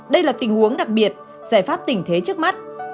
đây là tình huống đặc biệt giải pháp tình thế trước mắt